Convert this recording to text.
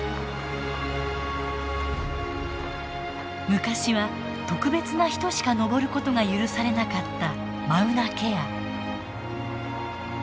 昔は特別な人しか登る事が許されなかったマウナケア。